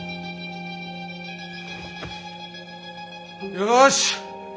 よし！